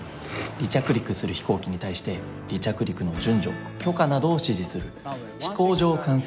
離着陸する飛行機に対して離着陸の順序許可などを指示する飛行場管制業務と。